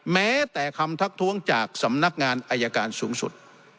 แม้แต่คำทักท้วงจากสำนักงานอายการสูงสุด